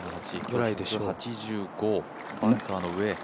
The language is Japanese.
８５、バンカーの上。